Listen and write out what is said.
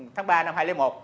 tháng ba năm hai nghìn một